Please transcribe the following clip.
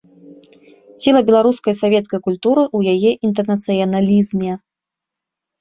Сіла беларускай савецкай культуры ў яе інтэрнацыяналізме.